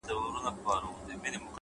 o دعا ـ دعا ـ دعا ـدعا كومه ـ